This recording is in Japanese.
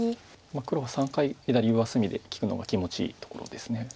黒は３回左上隅で利くのが気持ちいいところです。